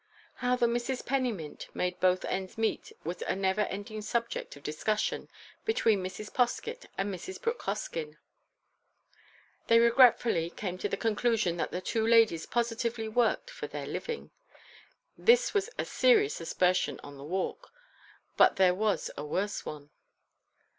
How the Misses Pennymint made both ends meet was a never ending subject of discussion between Mrs. Poskett and Mrs. Brooke Hoskyn. They regretfully came to the conclusion that the two ladies positively worked for their living. This was a serious aspersion on the Walk—but there was a worse one.